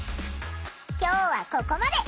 今日はここまで！